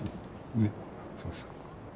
ねえそうそう。